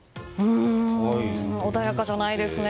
穏やかじゃないですね。